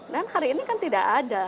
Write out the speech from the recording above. dan hari ini kan tidak ada